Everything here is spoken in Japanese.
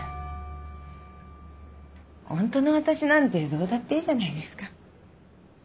ホントの私なんてどうだっていいじゃないですか。